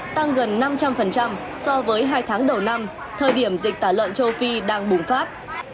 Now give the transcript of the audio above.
tăng gần năm trăm linh so với hai tháng đầu năm thời điểm dịch tả lợn châu phi đang bùng phát